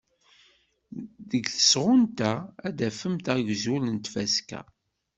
Deg tesɣunt-a ad d-tafem agzul n tfaska.